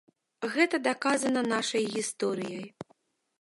Гэта даказана нашай гісторыяй.